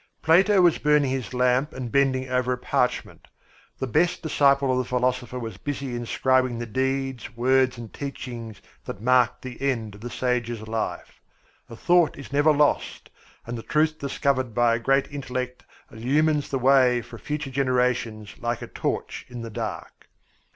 Plato was burning his lamp and bending over a parchment; the best disciple of the philosopher was busy inscribing the deeds, words, and teachings that marked the end of the sage's life. A thought is never lost, and the truth discovered by a great intellect illumines the way for future generations like a torch in the dark.